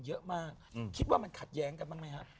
เยอะมากคิดว่ามันขัดแย้งกันมั้ยครับ